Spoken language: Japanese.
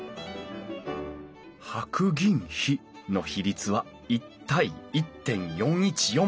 白銀比の比率は１対１．４１４。